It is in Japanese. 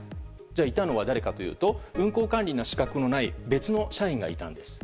じゃあ、いたのは誰かというと運航管理の資格のない別の社員がいたんです。